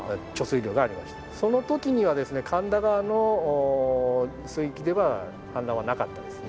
その時にはですね神田川の水域では氾濫はなかったですね。